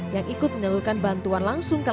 yang ikut menyalurkan bantuan langsung